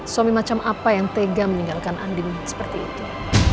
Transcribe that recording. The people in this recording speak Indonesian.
suami macam apa yang tega meninggalkan andin seperti itu